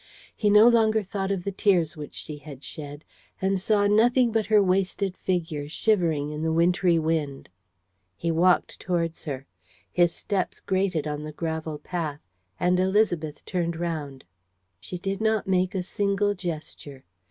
He no longer thought of the tears which she had shed and saw nothing but her wasted figure, shivering in the wintry wind. He walked towards her. His steps grated on the gravel path; and Élisabeth turned round. She did not make a single gesture.